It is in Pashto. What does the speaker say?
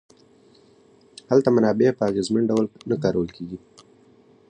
هلته منابع په اغېزمن ډول نه کارول کیږي.